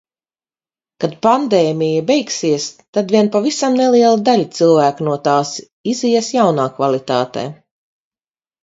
Kad pandēmija beigsies, tad vien pavisam neliela daļa cilvēku no tās izies jaunā kvalitātē.